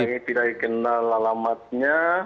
anak laki laki tidak dikenal alamatnya